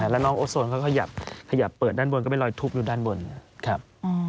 แล้วน้องโอโซนเขาขยับเปิดด้านบนก็เป็นรอยทุบอยู่ด้านบนนะครับ